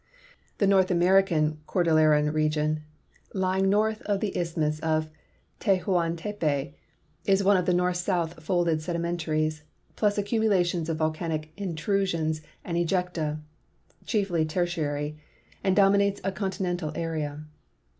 The North American cordilleran region lying north of the isthmus of Tehuantepec is one of north south folded sediment aries, plus accumulations of volcanic intrusions and ejecta (chiefiy Tertiary), and dominates a continental area.